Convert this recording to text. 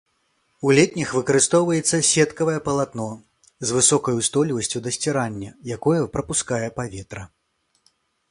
У летніх выкарыстоўваецца сеткаватае палатно, з высокай устойлівасцю да сцірання, якое прапускае паветра.